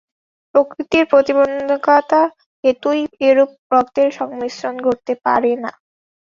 প্রকৃতির প্রতিবন্ধকতা-হেতুই এরূপ রক্তের সংমিশ্রণ ঘটতে পারে না।